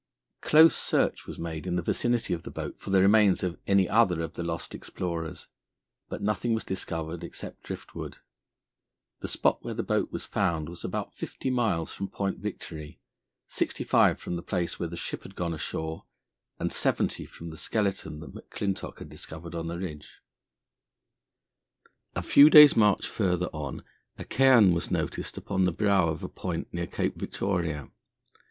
Close search was made in the vicinity of the boat for the remains of any other of the lost explorers, but nothing was discovered except drift wood. The spot where the boat was found was about fifty miles from Point Victory, sixty five from the place where the ship had gone ashore, and seventy from the skeleton that McClintock had discovered on the ridge. A few days' march farther on, a cairn was noticed upon the brow of a point near Cape Victoria.